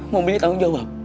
mobilnya tanggung jawab